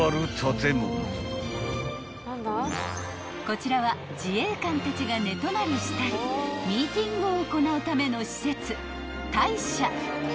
［こちらは自衛官たちが寝泊まりしたりミーティングを行うための施設］